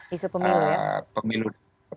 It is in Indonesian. isu pemilu ya